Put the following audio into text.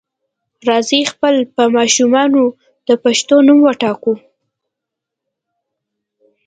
راځئ خپل په ماشومانو د پښتو نوم وټاکو.